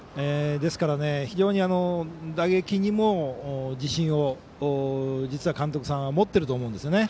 非常に打撃にも自信を実は監督さんは持っていると思うんですよね。